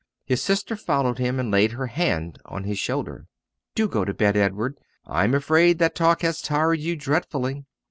His sister followed him, and laid her hand on his shoulder. "Do go to bed, Edward! I am afraid that talk has tired you dreadfully."